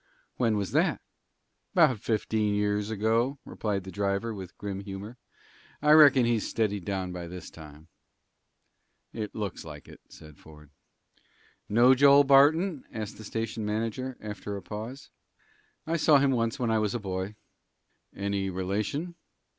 "When was that?" "'Bout fifteen years ago," replied the driver, with grim humor. "I reckon he's steadied down by this time." "It looks like it," said Ford. "Know Joel Barton?" asked the station master, after a pause. "I saw him once when I was a boy." "Any relation?"